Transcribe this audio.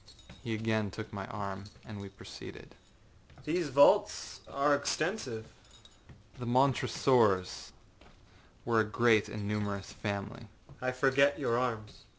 â He again took my arm, and we proceeded. âThese vaults,â he said, âare extensive.â âThe Montresors,â I replied, âwere a great and numerous family.â âI forget your arms.